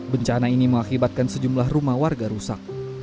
bencana ini mengakibatkan sejumlah rumah warga rusak